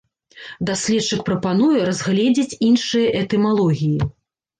Даследчык прапануе разгледзець іншыя этымалогіі.